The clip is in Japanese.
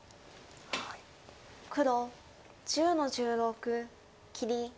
黒１０の十六切り。